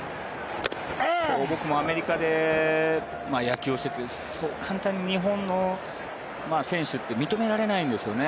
僕もアメリカで野球をしていてそう簡単に日本の選手って認められないんですよね。